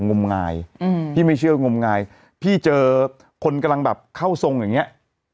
งมงายอืมพี่ไม่เชื่องมงายพี่เจอคนกำลังแบบเข้าทรงอย่างเงี้ย